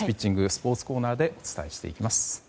スポーツコーナーでお伝えします。